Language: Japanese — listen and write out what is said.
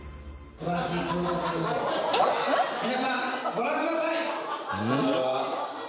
皆さんご覧ください！